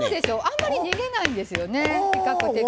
あんまり逃げないんですよね比較的。